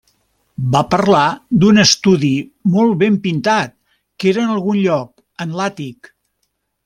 Va parlar d'un estudi molt ben pintat que era en algun lloc en l'àtic.